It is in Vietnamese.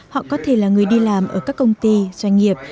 họ có thể là người đi làm ở các công ty doanh nghiệp